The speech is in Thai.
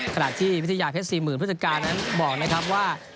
ขณะที่วิทยาเพชรสี่หมื่นพฤศกาลนั้นบอกนะครับว่า